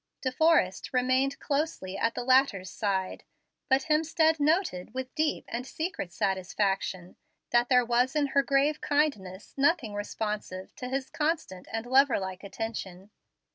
De Forrest remained closely at the latter's side, but Hemstead noted with deep and secret satisfaction that there was in her grave kindness nothing responsive to his constant and lover like attention.